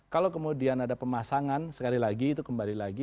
kalau kemudian ada pemasangan sekali lagi itu kembali lagi